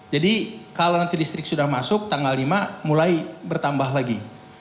jadi kalau nanti listrik sudah masuk tanggal lima mulai bertambah lagi